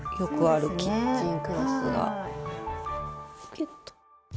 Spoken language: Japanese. キュッと。